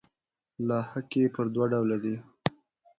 لاحقې پر دوه ډوله دي.